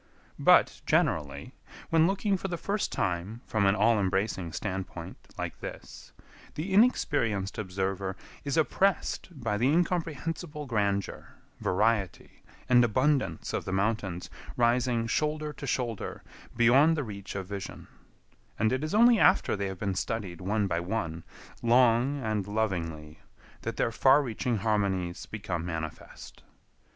But, generally, when looking for the first time from an all embracing standpoint like this, the inexperienced observer is oppressed by the incomprehensible grandeur, variety, and abundance of the mountains rising shoulder to shoulder beyond the reach of vision; and it is only after they have been studied one by one, long and lovingly, that their far reaching harmonies become manifest.